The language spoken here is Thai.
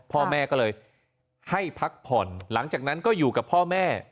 พ่อแม่ก็เลยให้พักผ่อนหลังจากนั้นก็อยู่กับพ่อแม่